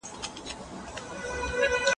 زه پرون مېوې وخوړلې.